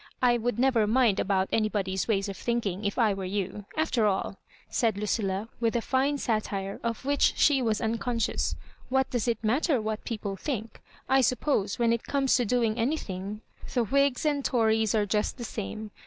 I would never mind about anybody's ways of thinking, if I were you. After all," said Lu cilla, with a fine satire, of which she was uncon scious, ^ what does it matter what people think 7 I suppose when.it comes to doing anything, the Whigs and the Tones are just the same.